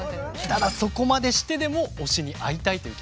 ただそこまでしてでも推しに会いたいという気持ちが。